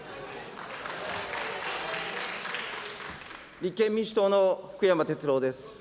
立憲民主党の福山哲郎です。